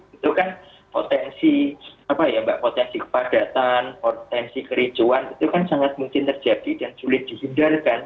itu kan potensi kepadatan potensi kericuan itu kan sangat mungkin terjadi dan sulit dihindarkan